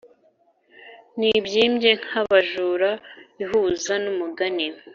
nibyimbye nkabajura ihuza numugani